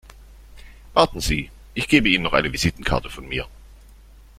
Warten Sie, ich gebe Ihnen noch eine Visitenkarte von mir.